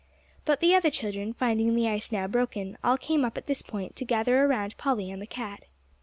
But the other children, finding the ice now broken, all came up at this point, to gather around Polly and the cat.